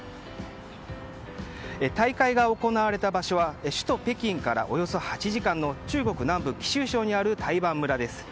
大会が行われた場所は首都・北京からおよそ８時間の中国南部貴州省にある台盤村です。